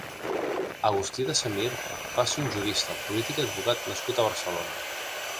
Agustí de Semir va ser un jurista, polític i advocat nascut a Barcelona.